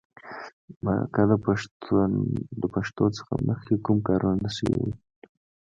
د مرکه د پښتو څخه مخکې کوم کارونه شوي وي.